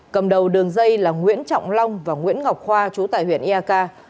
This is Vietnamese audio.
cầm đầu đường dây là nguyễn trọng long và nguyễn ngọc khoa trú tại huyện ia ca